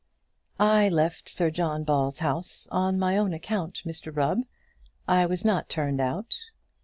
"I left Sir John Ball's house on my own account, Mr Rubb; I was not turned out."